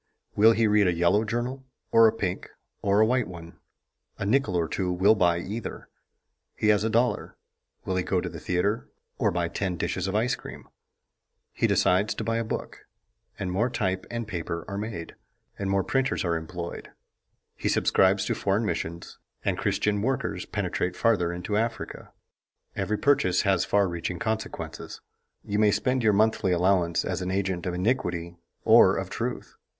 Will he read a yellow journal or a pink or a white one? A nickel or two will buy either. He has a dollar; will he go to the theater or buy ten dishes of ice cream? He decides to buy a book, and more type and paper are made, and more printers are employed; he subscribes to foreign missions and Christian workers penetrate farther into Africa. Every purchase has far reaching consequences. You may spend your monthly allowance as an agent of iniquity or of truth.